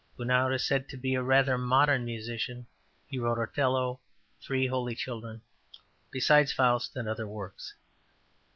Gounod is said to be `a rather modern musician'; he wrote Othello, Three Holy Children, besides Faust and other works.